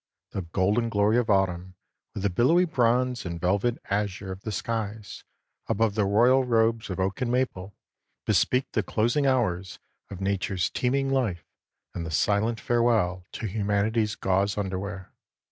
The golden glory of autumn, with the billowy bronze and velvet azure of the skies above the royal robes of oak and maple, bespeak the closing hours of nature's teeming life and the silent farewell to humanity's gauze underwear.